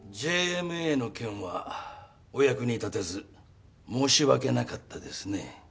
ＪＭＡの件はお役に立てず申し訳なかったですね。